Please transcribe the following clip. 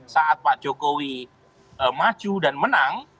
saat pak jokowi maju dan menang